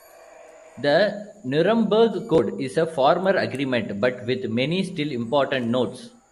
The Nuremberg Code is a former agreement, but with many still important notes.